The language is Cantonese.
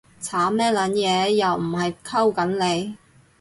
慘乜撚嘢？，又唔係溝緊你